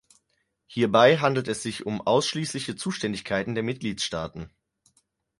Hierbei handelt es sich um ausschließliche Zuständigkeiten der Mitgliedstaaten.